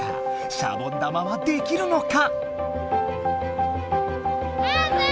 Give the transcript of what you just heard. シャボン玉はできるのか？